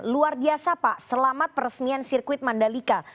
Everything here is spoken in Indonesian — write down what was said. luar biasa pak selamat peresmian sirkuit mandalika